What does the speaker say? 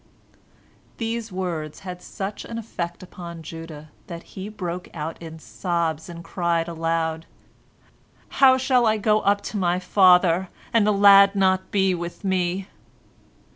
These words had such an effect upon Judah that he broke out in sobs, and cried aloud, "How shall I go up to my father, and the lad be not with me?"